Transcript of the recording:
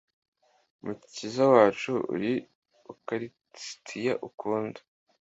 r/ mukiza wacu uri ukarisitiya, ukunda